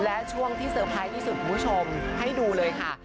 และช่วงที่เซอร์ไพรส์ที่สุดคุณผู้ชมให้ดูเลยค่ะ